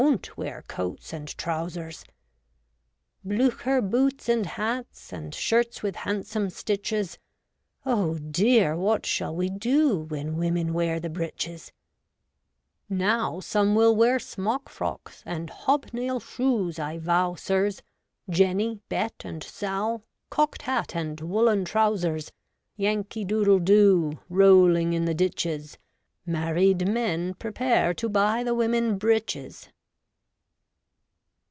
t wear coats and trousers ; Blucher boots and hats, And shirts with handsome stitches, Oh, dear ! what shall we do When women wear the breeches ? Now some will wear smock frocks And hobnail shoes, I vow, sirs ; Jenny, Bet, and Sal, Cock'd hat and woollen trousers. THE DRESS REFORMERS. 37 Yankee Doodle doo, Rolling in the ditches ; Married men prepare To buy the women breeches